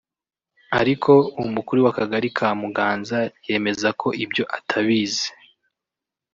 ariko umukuru w’akagari ka Muganza yemeza ko ibyo atabizi